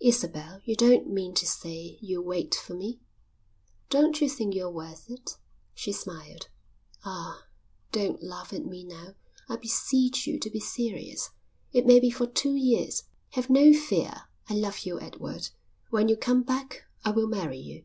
"Isabel, you don't mean to say you'll wait for me?" "Don't you think you're worth it?" she smiled. "Ah, don't laugh at me now. I beseech you to be serious. It may be for two years." "Have no fear. I love you, Edward. When you come back I will marry you."